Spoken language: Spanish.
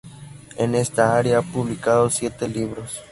En esta área ha publicado siete libros.